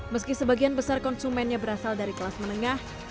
meski sebagian besar konsumennya berasal dari kelas menengah